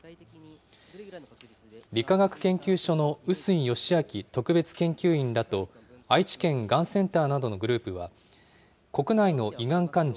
理化学研究所の碓井喜明特別研究員らと愛知県がんセンターなどのグループは、国内の胃がん患者